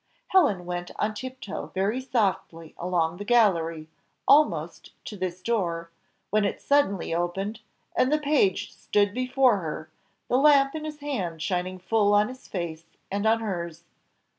Helen went on tiptoe very softly along the gallery, almost to this door, when it suddenly opened, and the page stood before her, the lamp in his hand shining full on his face and on hers.